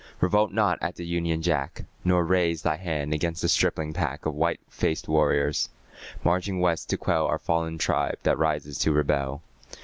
Revolt not at the Union Jack, Nor raise Thy hand against this stripling pack Of white faced warriors, marching West to quell Our fallen tribe that rises to rebel.